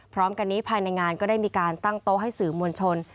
พร้อมกันนี้ภายในงานก็ได้มีการตั้งโต๊ะให้สื่อมวลชน